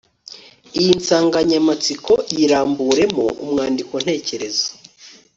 iyinsanganyamatsiko yiramburemo umwandiko ntekerezo